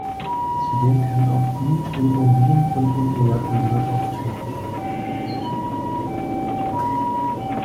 Zudem kann auch Blut in Urin und im Ejakulat auftreten.